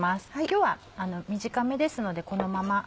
今日は短めですのでこのまま。